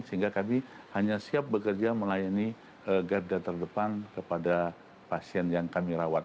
sehingga kami hanya siap bekerja melayani garda terdepan kepada pasien yang kami rawat